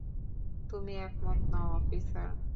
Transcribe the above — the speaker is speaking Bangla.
তুমি একমত নও, অফিসার?